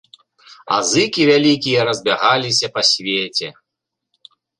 А зыкі вялікія разбягаліся па свеце.